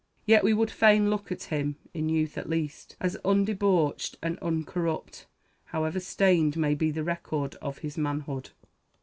Yet we would fain look at him, in youth at least, as undebauched and uncorrupt, however stained may be the record of his manhood.